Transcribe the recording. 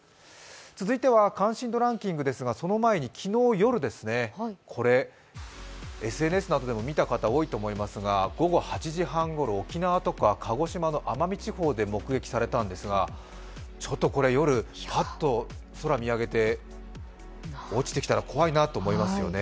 続いては関心度ランキングですがその前に昨日夜、これ、ＳＮＳなどでも見た方、多いと思いますが午後８時半ごろ沖縄とか鹿児島の奄美地方で目撃されたんですが、夜、ぱっと空見上げて落ちてきたら怖いなと思いますよね。